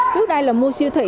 trước đây là mua siêu thị